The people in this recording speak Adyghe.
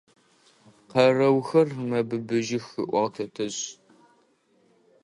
Къэрэухэр мэбыбыжьых, – ыӏуагъ тэтэжъ.